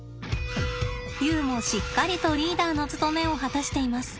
ユウもしっかりとリーダーの務めを果たしています。